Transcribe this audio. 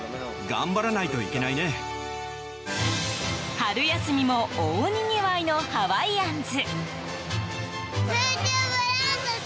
春休みも大にぎわいのハワイアンズ。